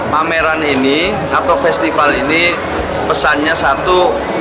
pameran ini atau festival ini pesannya satu